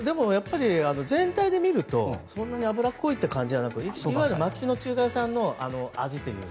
全体で見るとそんなに脂っこいって感じじゃなくいわゆる町の中華屋さんの味というか。